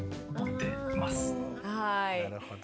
なるほど。